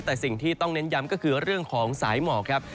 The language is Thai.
แต่สิ่งที่ต้องเน้นย้ำก็คือเรื่องของสายหมอกครับ